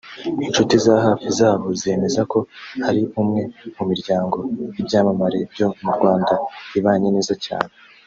Inshuti za hafi zabo zemeza ko ari umwe mu miryango y’ibyamamare byo mu Rwanda ibanye neza cyane